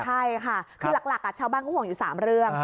ใช่ค่ะคือหลักชาวบ้านเขาห่วงอยู่๓เรื่อง